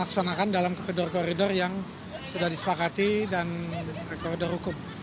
dan disonakan dalam koridor koridor yang sudah disepakati dan koridor hukum